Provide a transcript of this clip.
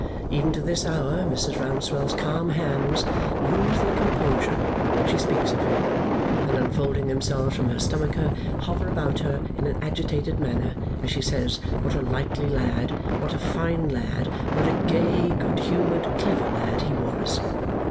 Even to this hour, Mrs. Rouncewell's calm hands lose their composure when she speaks of him, and unfolding themselves from her stomacher, hover about her in an agitated manner as she says what a likely lad, what a fine lad, what a gay, good humoured, clever lad he was!